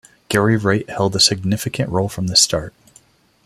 Gary Wright held a significant role from the start.